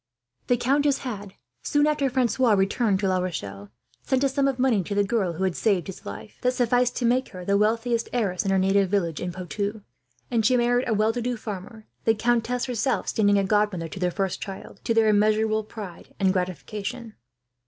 The countess had, soon after Francois returned to La Rochelle, sent a sum of money, to the girl who had saved his life, that sufficed to make her the wealthiest heiress in her native village in Poitou; and she married a well to do farmer, the countess herself standing as godmother to their first child, to their immeasurable pride and gratification.